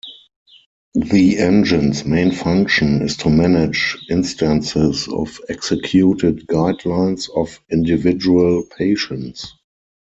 The engine's main function is to manage instances of executed guidelines of individual patients.